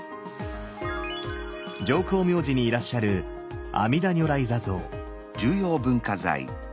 浄光明寺にいらっしゃる阿弥陀如来坐像。